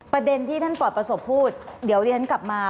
ประเด็นที่ท่านปลอดประสบพูดเดี๋ยวเรียนกลับมา